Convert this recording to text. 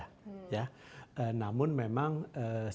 namun memang sebagian besar saat ini ada di pulau indonesia